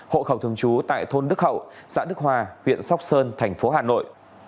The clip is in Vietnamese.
hộ khẩu thường trú tại thôn đức hậu xã đức hòa huyện sóc sơn thành phố hà nội